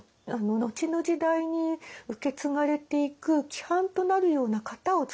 後の時代に受け継がれていく規範となるような型を創った歌集です。